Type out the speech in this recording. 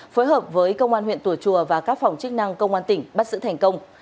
phối hợp với công an huyện tùa chùa và các phòng chức năng công an tỉnh bắt giữ thành công